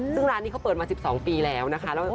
ซึ่งร้านนี้เขาเปิดมา๑๒ปีแล้วนะคะ